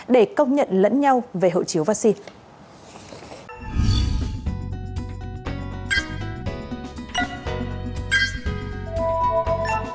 để công nhận lẫn nhau về hộ chiếu vaccine